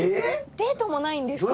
デートもないんですか？